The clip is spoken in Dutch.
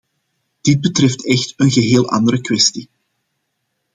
Dit betreft echt een geheel andere kwestie.